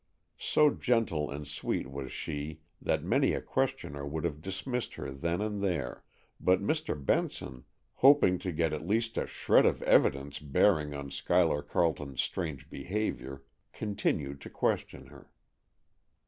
So gentle and sweet was she, that many a questioner would have dismissed her then and there; but Mr. Benson, hoping to get at least a shred of evidence bearing on Schuyler Carleton's strange behavior, continued to question her.